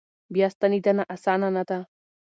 بیا ستنېدنه اسانه نه ده.